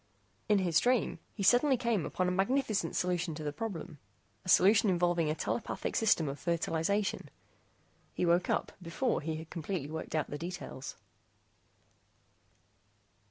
In his dream he suddenly came upon a magnificent solution to the problem, a solution involving a telepathic system of fertilization. He woke up before he had completely worked out the details.